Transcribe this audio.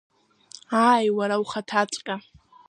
Ааи, уара ухаҭаҵәҟьа!